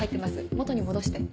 元に戻して。